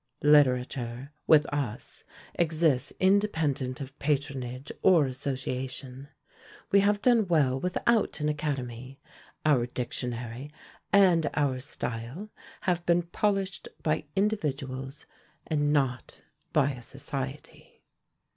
Literature, with us, exists independent of patronage or association. We have done well without an academy; our dictionary and our style have been polished by individuals, and not by a society.